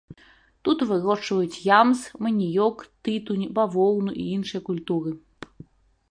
Тут вырошчваюць ямс, маніёк, тытунь, бавоўну і іншыя культуры.